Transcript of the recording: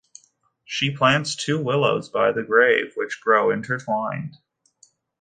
She plants two willows by the grave, which grow intertwined.